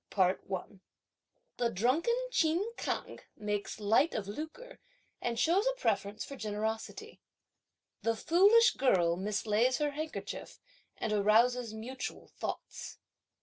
CHAPTER XXIV. The drunken Chin Kang makes light of lucre and shows a preference for generosity. The foolish girl mislays her handkerchief and arouses mutual thoughts.